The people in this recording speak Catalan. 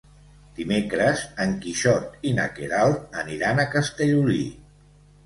Dimecres en Quixot i na Queralt aniran a Castellolí.